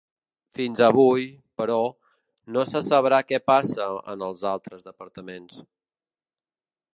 Fins avui, però, no se sabrà què passa en els altres departaments.